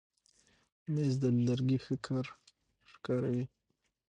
مېز د لرګي ښه کار ښکاروي.